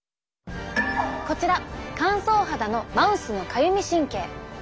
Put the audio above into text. こちら乾燥肌のマウスのかゆみ神経。